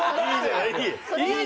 いい。